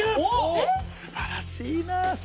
すばらしいなぁ。